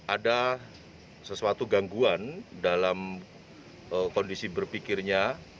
ada sesuatu gangguan dalam kondisi berpikirnya